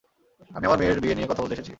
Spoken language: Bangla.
আমি আমার মেয়ের বিয়ে নিয়ে কথা বলতে এসেছি।